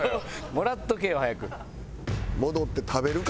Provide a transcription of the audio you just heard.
もらっておけよ早く。